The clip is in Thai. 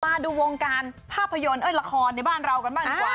มาดูวงการภาพยนตร์เอ้ยละครในบ้านเรากันบ้างดีกว่า